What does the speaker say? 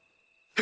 え？